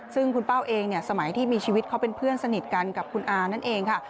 ซึ่งคุณเป้าเองเนี่ยสมัยที่มีชีวิตเขาเป็นเพื่อนสนิทกันกับคุณอานั่นเองค่ะ